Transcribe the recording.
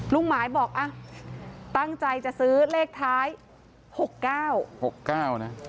ลุงหมายบอกอ่ะตั้งใจจะซื้อเลขท้ายหกเก้าหกเก้านะ